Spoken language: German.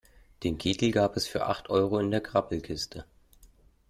Den Kittel gab es für acht Euro in der Grabbelkiste.